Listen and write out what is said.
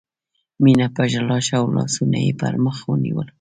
مينه په ژړا شوه او لاسونه یې پر مخ ونیول